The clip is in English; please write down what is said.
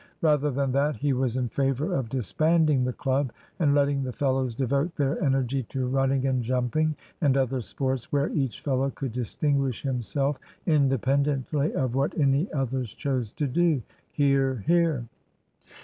Rather than that, he was in favour of disbanding the club, and letting the fellows devote their energy to running and jumping, and other sports, where each fellow could distinguish himself independently of what any others chose to do. (Hear, hear.)